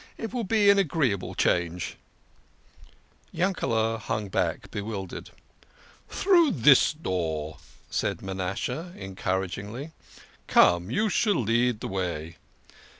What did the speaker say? It will be an agreeable change." THE KING OF SCHNORRERS. 57 Yankele" hung back, bewildered. "Through this door," said Manasseh encouragingly. "Come you shall lead the way."